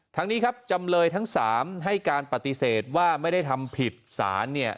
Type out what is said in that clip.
ทั้งนี้ครับจำเลยทั้ง๓ให้การปฏิเสธว่าไม่ได้ทำผิดสารเนี่ย